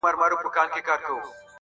• په سیالانو ګاونډیانو کي پاچا وو -